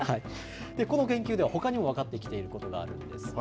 この研究ではほかにも分かってきていることがあるんです。